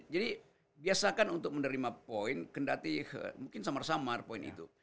jadi biasakan untuk menerima poin kendati mungkin samar samar poin itu